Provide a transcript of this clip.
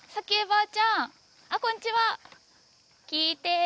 ばあちゃん